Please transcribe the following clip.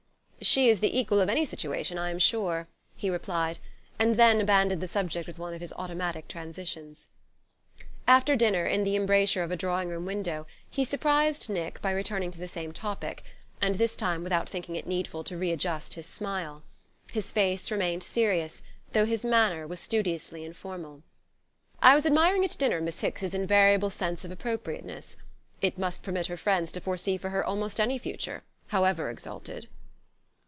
"She is the equal of any situation, I am sure," he replied; and then abandoned the subject with one of his automatic transitions. After dinner, in the embrasure of a drawing room window, he surprised Nick by returning to the same topic, and this time without thinking it needful to readjust his smile. His face remained serious, though his manner was studiously informal. "I was admiring, at dinner, Miss Hicks's invariable sense of appropriateness. It must permit her friends to foresee for her almost any future, however exalted."